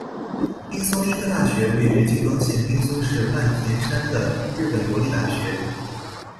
滨松医科大学位于静冈县滨松市半田山的日本国立大学。